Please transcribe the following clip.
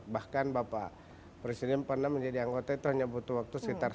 bahkan bapak presiden pernah menjadi anggota itu hanya butuh waktu sekitar